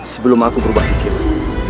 sebelum aku berubah pikiran